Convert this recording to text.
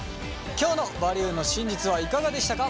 今日の「バリューの真実」はいかがでしたか？